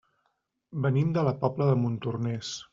Venim de la Pobla de Montornès.